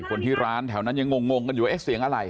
คนที่ร้านแถวนั้นยังงงกันอยู่เอ๊ะเสียงอะไร